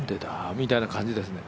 みたいな感じですね。